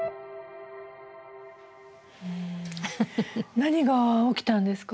何が起きたんですか？